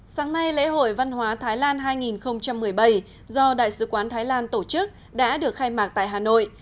sáng nay lễ hội văn hóa thái lan hai nghìn một mươi bảy do đại sứ quán thái lan tổ chức đã được khai mạc tại hà nội